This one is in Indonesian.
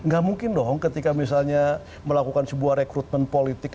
gak mungkin dong ketika misalnya melakukan sebuah rekrutmen politik